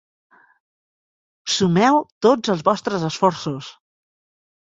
Sumeu tots els vostres esforços.